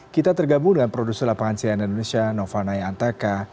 kita tergabung dengan produser lapangan cnn indonesia nova naya antaka